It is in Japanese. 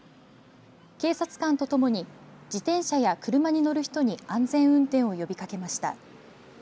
警察官とともに自転車や車に乗る人に安全運転を呼びかけました。